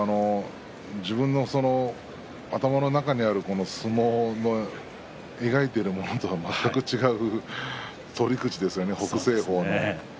自分の頭の中にある相撲の描いているものとは全く違う取り口ですよね、北青鵬の。